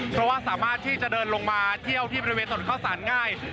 เพราะว่าสามารถที่จะเดินลงมาเที่ยวที่บริเวณถนนเข้าสารง่าย